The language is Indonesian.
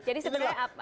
jadi sebenarnya apa